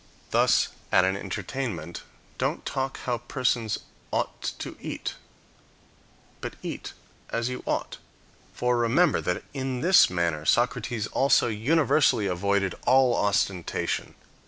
Thus, at an entertainment, don't talk how persons ought to eat, but eat as you ought. For remember that in this manner Socrates also universally avoided all ostentation.